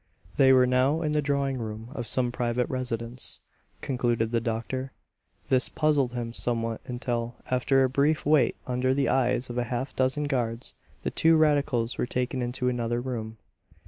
They were now in the drawing room of some private residence, concluded the doctor. This puzzled him somewhat until, after a brief wait under the eyes of a half dozen guards, the two radicals were taken into another room.